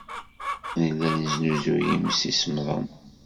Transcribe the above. Nella nesnuzuy imsisemḍen.